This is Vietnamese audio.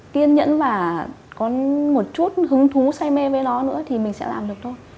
kiên nhẫn và có một chút hứng thú say mê với nó nữa thì mình sẽ làm được thôi